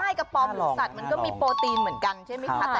ใช่กระป๋อมหรือสัตว์มันก็มีโปรตีนเหมือนกันใช่ไหมคะ